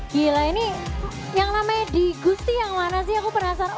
gila ini yang namanya di gusti yang mana sih aku penasaran